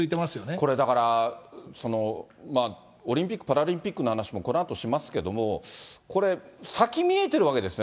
これ、だからオリンピック・パラリンピックの話もこのあとしますけれども、これ、先見えてるわけですね。